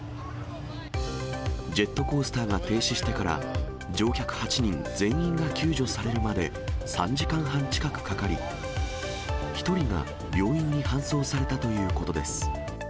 ジェットコースターが停止してから、乗客８人全員が救助されるまで、３時間半近くかかり、１人が病院に搬送されたということです。